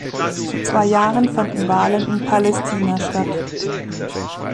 Vor zwei Jahren fanden Wahlen in Palästina statt.